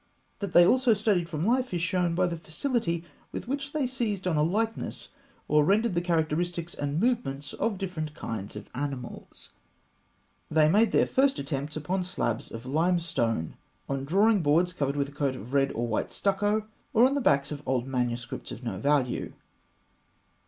That they also studied from the life is shown by the facility with which they seized a likeness, or rendered the characteristics and movements of different kinds of animals. They made their first attempts upon slabs of limestone, on drawing boards covered with a coat of red or white stucco, or on the backs of old manuscripts of no value.